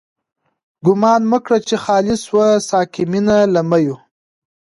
ګومان مه کړه چی خالی شوه، ساقی مينا له ميو